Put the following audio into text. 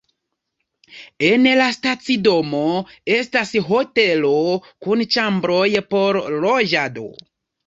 En la stacidomo estas hotelo kun ĉambroj por loĝado.